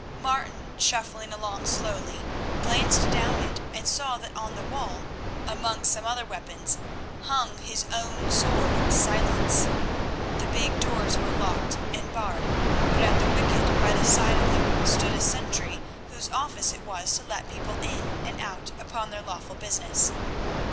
Martin, shuffling along slowly, glanced down it and saw that on the wall, among some other weapons, hung his own sword, Silence. The big doors were locked and barred, but at the wicket by the side of them stood a sentry, whose office it was to let people in and out upon their lawful business.